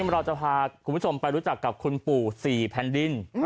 เราจะพาคุณผู้ชมไปรู้จักกับคุณปู่๔แผ่นดิน